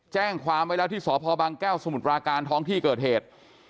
แจ้งความไว้แล้วที่สพบางแก้วสมุทรปราการท้องที่เกิดเหตุ